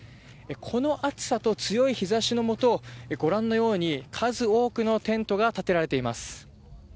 この暑さと、強い日差しのもとご覧のように数多くのテントが立てられています。